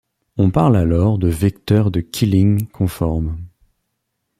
On parle alors de vecteur de Killing conforme.